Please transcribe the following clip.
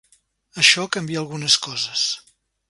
Això canvia algunes coses.